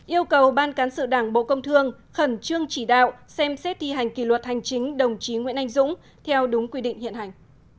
yêu cầu ban cán sự đảng bộ công thương khẩn trương chỉ đạo xem xét thi hành kỷ luật hành chính đồng chí nguyễn anh dũng theo đúng quy định hiện hành